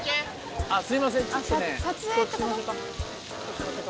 ああすみません。